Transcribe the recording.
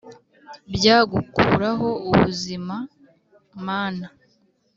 bya gukuraho ubuzima!mana,